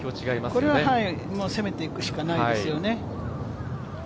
これは攻めていくしかないですよね。